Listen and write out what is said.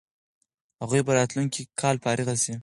هغوی به راتلونکی کال فارغ سي.